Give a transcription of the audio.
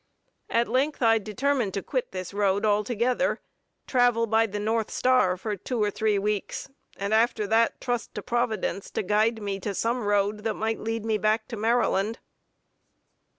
At length I determined to quit this road altogether, travel by the north star for two or three weeks, and after that to trust to Providence to guide me to some road that might lead me back to Maryland.